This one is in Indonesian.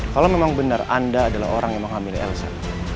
kalau memang benar anda adalah orang yang menghamili elsa